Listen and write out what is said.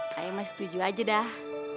kayaknya masih setuju aja dah